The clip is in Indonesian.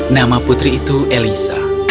nama putri itu elisa